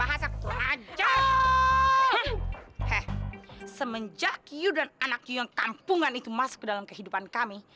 hei semenjak kamu dan anak kamu yang kampungan itu masuk ke dalam kehidupan kami